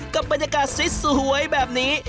กับบรรยากาศสวยแบบนี้